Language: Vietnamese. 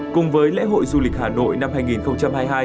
cùng với lễ hội du lịch hà nội năm hai nghìn hai mươi hai